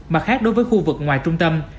mặt khác đối với khu vực ngoài trung tâm